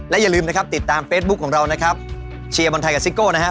อย่าลืมนะครับติดตามเฟซบุ๊คของเรานะครับเชียร์บอลไทยกับซิโก้นะฮะ